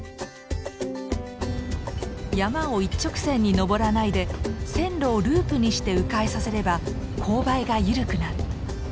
山を一直線に登らないで線路をループにしてう回させれば勾配が緩くなる。